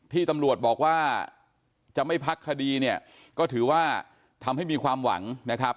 ที่ตำรวจบอกว่าจะไม่พักคดีเนี่ยก็ถือว่าทำให้มีความหวังนะครับ